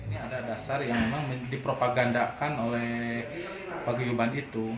ini ada dasar yang memang dipropagandakan oleh paguyuban itu